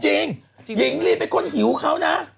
หญิงหญิงลีเป็นคนหิวเขานะ